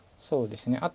そうですね。